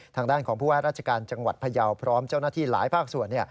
ทางด้านของผู้ว่าราชการจังหวัดพยาวพร้อมเจ้าหน้าที่หลายภาคส่วน